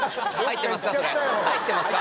入ってますか？